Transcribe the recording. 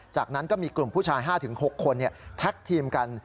จากนั้นก็มีกลุ่มผู้ชาย๕๖คนแท็กทีมกัน